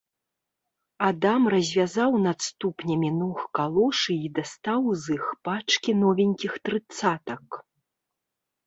Адам развязаў над ступнямі ног калошы і дастаў з іх пачкі новенькіх трыццатак.